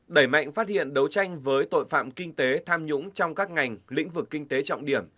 đẩy mạnh phát hiện đấu tranh với tội phạm kinh tế tham nhũng trong các ngành lĩnh vực kinh tế trọng điểm